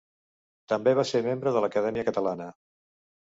També va ser membre de l'Acadèmia Catalana.